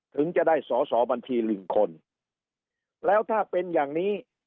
ถึงจะได้สอสอบัญชีหนึ่งคนแล้วถ้าเป็นอย่างนี้